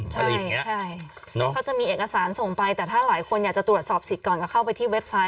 ใช่ไหมฉันบอกว่าถ้าสมมุติบริษัทยังดำเนินการต่อ